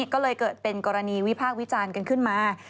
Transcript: ก็เลยเกิดเป็นกรณีวิพากษ์วิจารณ์กันขึ้นมา